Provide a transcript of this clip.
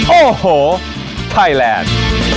โอ้โหไทยแลนด์